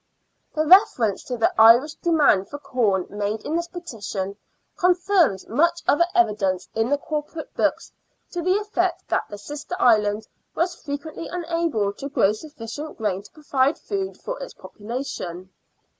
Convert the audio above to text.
The reference to the Irish demand for com made in this petition confirms much other evidence in the Corporate books, to the effect that the sister island was frequently unable to grow sufficient grain to provide food for its population.